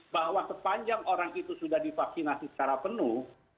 bahwa sepanjang orang itu sudah divaksinasi secara penuh